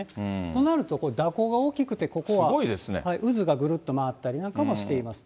となると、蛇行が大きくて、ここは渦がぐるっと回ったりなんかしています。